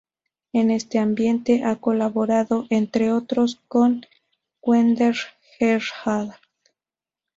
En este ámbito ha colaborado, entre otros, con Werner Erhard.